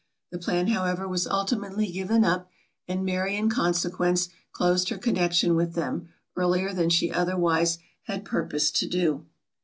The plan however was ultimately given up, and Mary in consequence closed her connection with them, earlier than she otherwise had purposed to do.